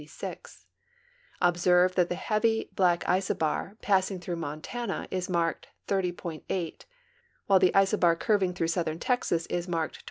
Observe that the heavy, black isobar passing through Montana is marked 30.8, while the isobar curving through southern Texas is marked 29.